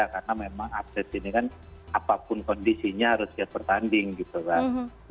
karena memang absepsi ini kan apapun kondisinya harus siap pertanding gitu kan